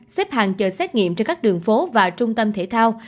xếp hàng chờ xét nghiệm trên các đường phố và trung tâm thể thao